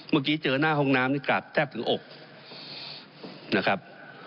เมื่อกี้เจอหน้าห้องน้ำนี่กราบแทบถึงอกนะครับ